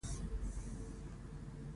بیرغ ورته ونیول سو.